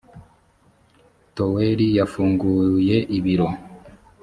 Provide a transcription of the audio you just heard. toweri yafunguye ibiro.